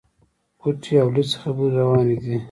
پټي او لڅي خبري رواني دي.